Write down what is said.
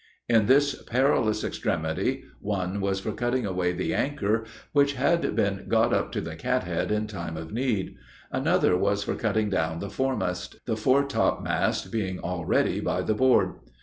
In this perilous extremity, one was for cutting away the anchor, which had been got up to the cathead in time of need; another was for cutting down the foremast, the foretop mast being already by the board.